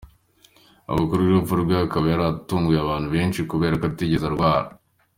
Amakuru y’urupfu rwe akaba yaratunguye abantu benshi kubera ko atigeze arwara.